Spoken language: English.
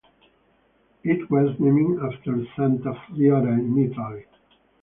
It was named after Santa Fiora, in Italy.